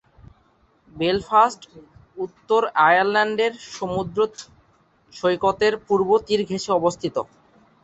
Belfast উত্তর আয়ারল্যান্ডের সমুদ্র সৈকতের পূর্ব তীর ঘেষে অবস্থিত।